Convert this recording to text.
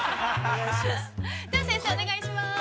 ◆では先生、お願いします。